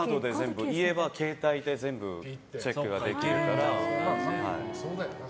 家は携帯で全部チェックができるから。